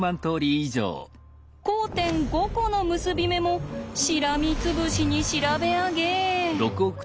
交点５コの結び目もしらみつぶしに調べ上げ。